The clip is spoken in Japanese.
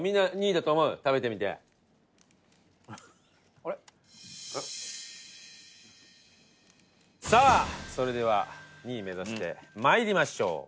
トシ：さあ、それでは２位目指して参りましょう。